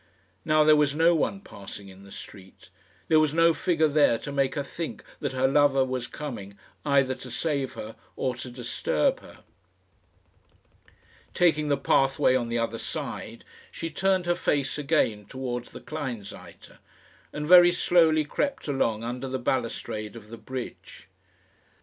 Now there was no one passing in the street. There was no figure there to make her think that her lover was coming either to save her or to disturb her. Taking the pathway on the other side, she turned her face again towards the Kleinseite, and very slowly crept along under the balustrade of the bridge.